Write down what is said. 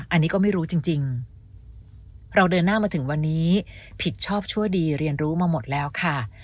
อันนี้ก็ไม่รู้จริงเราเดินหน้ามาถึงวันนี้ผิดชอบชั่วดีเรียนรู้มาหมดแล้วค่ะ